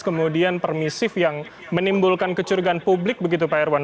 kemudian permisif yang menimbulkan kecurigaan publik begitu pak irwan